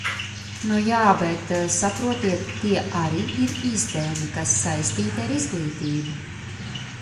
Nu jā, bet saprotiet, tie arī ir izdevumi, kas saistīti ar izglītību.